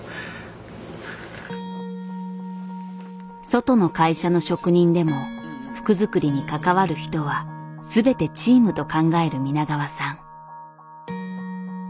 外の会社の職人でも服作りに関わる人はすべてチームと考える皆川さん。